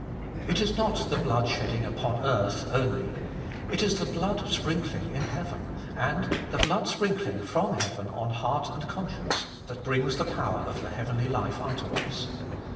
It is not the blood shedding upon earth only, it is the blood sprinkling in heaven, and the blood sprinkling from heaven on heart and conscience, that brings the power of the heavenly life unto us.